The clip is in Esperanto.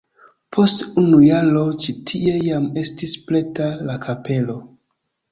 Post unu jaro ĉi tie jam estis preta la kapelo.